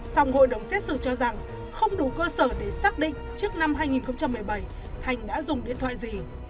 xong hội đồng xét xử cho rằng không đủ cơ sở để xác định trước năm hai nghìn một mươi bảy thành đã dùng điện thoại gì